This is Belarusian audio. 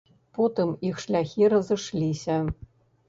Потым іх шляхі разышліся.